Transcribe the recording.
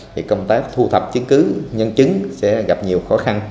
thì công tác thu thập chứng cứ nhân chứng sẽ gặp nhiều khó khăn